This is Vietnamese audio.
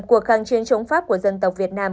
cuộc kháng chiến chống pháp của dân tộc việt nam